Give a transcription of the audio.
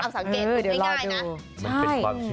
อ้าวสังเกตไม่ง่ายนะ